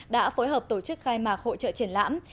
đã phối hợp tổ chức khai mạc hội trợ triển lãm